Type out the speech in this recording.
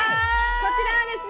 こちらはですね